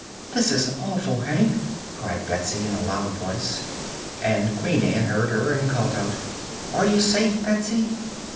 "This is awful, Hank!" cried Betsy in a loud voice, and Queen Ann heard her and called out: "Are you safe, Betsy?"